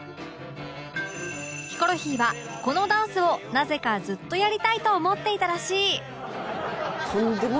ヒコロヒーはこのダンスをなぜかずっとやりたいと思っていたらしい